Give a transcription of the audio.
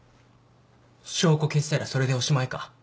証拠消し去りゃそれでおしまいか？